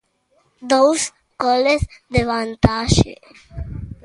Dous goles de vantaxe.